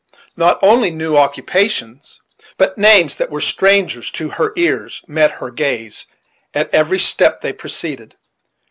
Not only new occupations, but names that were strangers to her ears, met her gaze at every step they proceeded.